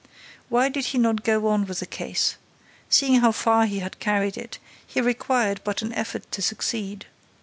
Why did he not go on with the case? Seeing how far he had carried it, he required but an effort to succeed.